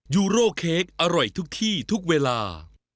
ยูโร่เค้กอร่อยทุกที่ทุกเวลา